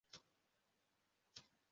Umuntu ashyira inkweto akagenda yihuta